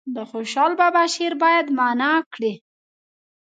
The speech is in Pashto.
د خوشحال بابا شعر باید معنا کړي.